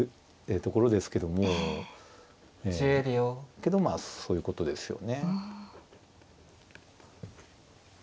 けどまあそういうことですよね。